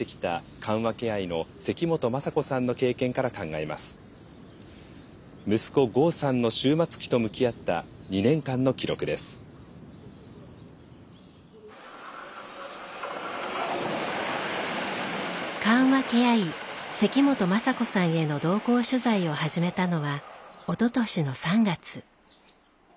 緩和ケア医関本雅子さんへの同行取材を始めたのはおととしの３月。